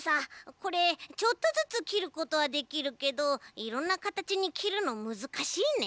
これちょっとずつきることはできるけどいろんなカタチにきるのむずかしいね。